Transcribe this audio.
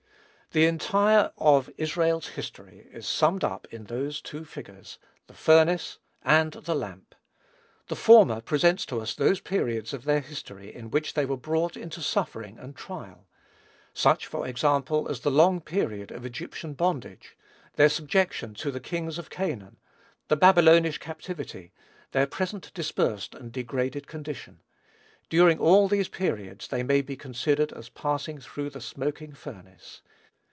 The entire of Israel's history is summed up in those two figures, the "furnace" and the "lamp." The former presents to us those periods of their history in which they were brought into suffering and trial; such, for example, as the long period of Egyptian bondage, their subjection to the kings of Canaan, the Babylonish captivity, their present dispersed and degraded condition. During all these periods they may be considered as passing through the smoking furnace.